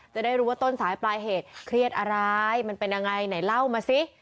จะได้รู้ว่าต้นสายปลายเหตุเครียดอะไรมันเป็นยังไงไหนเล่ามาสิ